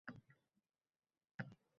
Otmaysiz uni.